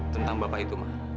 tentang bapak itu ma